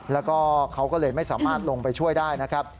แล้วก็เขาก็เลยไม่สามารถลงไปช่วยได้นะครับ